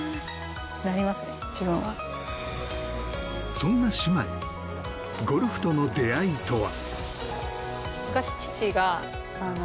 そんな姉妹ゴルフとの出会いとは。